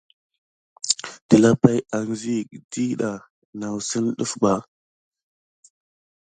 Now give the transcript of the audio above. Telapay anziga ɗiɗɑ nà sine ɗef bà.